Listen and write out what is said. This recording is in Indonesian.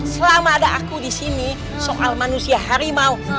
selama ada aku disini soal manusia harimau